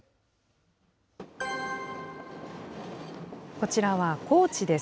こちらは高知です。